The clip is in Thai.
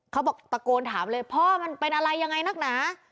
เขาบอกตะโกนถามเลยพ่อมันเป็นอะไรยังไงนักหนา